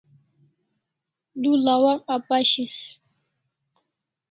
Du lawak apashis